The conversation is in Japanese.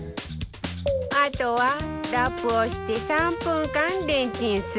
あとはラップをして３分間レンチンするだけ